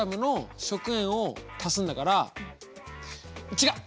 違う！